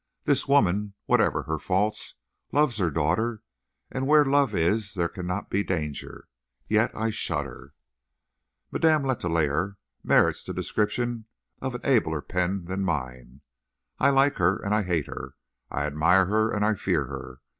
This woman, whatever her faults, loves her daughter, and where love is there cannot be danger. Yet I shudder. Madame Letellier merits the description of an abler pen than mine. I like her, and I hate her. I admire her, and I fear her.